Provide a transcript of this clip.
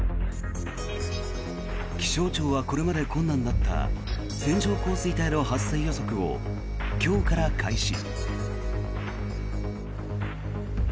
気象庁は、これまで困難だった線状降水帯の発生予測を今日から開始。